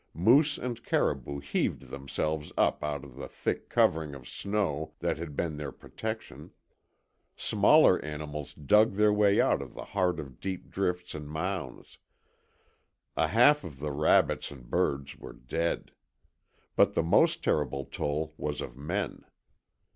Moose and caribou heaved themselves up out of the thick covering of snow that had been their protection; smaller animals dug their way out of the heart of deep drifts and mounds; a half of the rabbits and birds were dead. But the most terrible toll was of men.